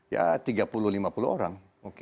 ya tiga puluh lima puluh orang